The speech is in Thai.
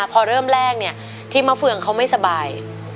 พอเริ่มแรกที่มะเฟืองเขาไม่สบาย